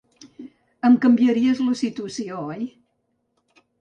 Em canviaries la situació, oi?